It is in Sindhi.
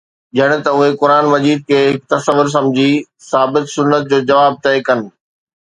ڄڻ ته اهي قرآن مجيد کي هڪ تصور سمجهي، ثابت سنت جو جواب طئي ڪن.